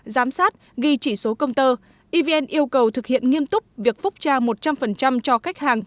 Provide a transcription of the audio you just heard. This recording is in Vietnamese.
giám sát ghi chỉ số công tơ evn yêu cầu thực hiện nghiêm túc việc phúc tra một trăm linh cho khách hàng